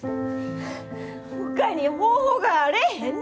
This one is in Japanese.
ほかに方法があれへんねん！